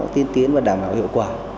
tiến tiến và đảm bảo hiệu quả